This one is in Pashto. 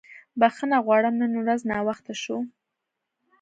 بښنه غواړم نن ورځ ناوخته شو.